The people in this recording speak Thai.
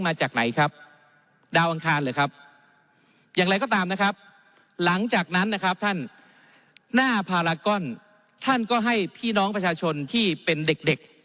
อะไรก็ตามนะครับหลังจากนั้นนะครับท่านหน้าภารกรท่านก็ให้พี่น้องประชาชนที่เป็นเด็ก